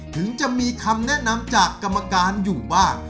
ถึงจะมีคำแนะนำจากกรรมการอยู่บ้าง